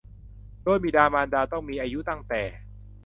โดยบิดามารดาต้องมีอายุตั้งแต่